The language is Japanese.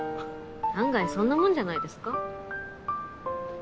案外そんなもんじゃないですか？